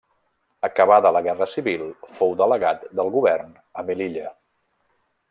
Acabada la guerra civil, fou delegat del Govern a Melilla.